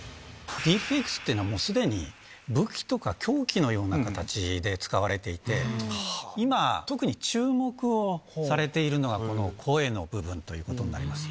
ディープフェイクスっていうのは、もうすでに武器とか凶器のような形で使われていて、今、特に注目をされているのは、この声の部分ということになります。